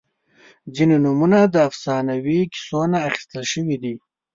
• ځینې نومونه د افسانوي کیسو نه اخیستل شوي دي.